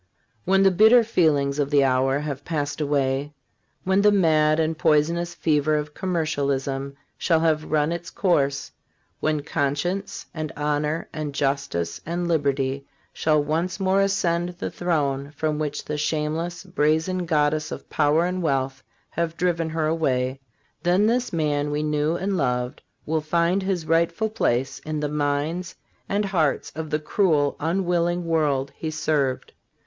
When the bitter feelings of the hour have passed away, when the mad and poison ous fever of commercialism shall have run its course, when conscience and honor and justice and liberty shall once more ascend the throne from which the shameless, brazen goddess of power and wealth have driven her away; then this man we knew and loved will find his rightful place in the minds and hearts of the cruel, unwil ling world he served.